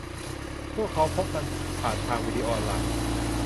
พวกเขาพบกันผ่านทางวีดีโอออนไลน์